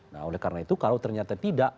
nah oleh karena itu kalau ternyata tidak